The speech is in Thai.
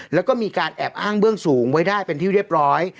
แล้วก็มีการแอบอ้างเบื้องสูงไว้ได้เป็นที่เรียบร้อย